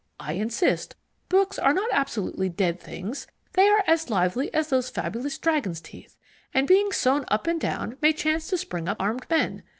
I insist books are not absolutely dead things: they are as lively as those fabulous dragons' teeth, and being sown up and down, may chance to spring up armed men.